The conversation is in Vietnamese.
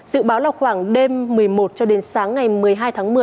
dự báo là khoảng đêm một mươi một cho đến sáng ngày một mươi hai tháng một mươi